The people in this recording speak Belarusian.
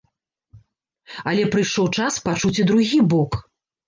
Але прыйшоў час пачуць і другі бок.